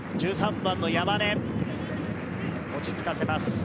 １３番の山根、落ち着かせます。